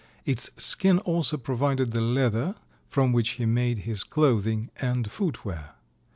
Its skin also provided the leather from which he made his clothing and footwear.